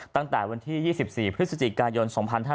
ตั้งแต่วันที่๒๔พฤศจิกายน๒๕๕๙